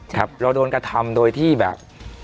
ครับเราโดนกระทำโดยที่แบบ